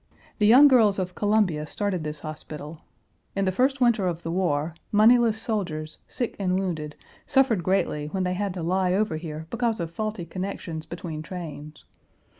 The young girls of Columbia started this hospital. In the first winter of the war, moneyless soldiers, sick and wounded, suffered greatly when they had to lie over here because of faulty connections between trains.